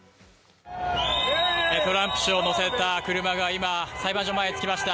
トランプ氏を乗せた車が裁判所前に着きました。